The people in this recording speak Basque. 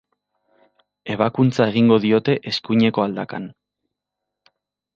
Ebakuntza egingo diote eskuineko aldakan.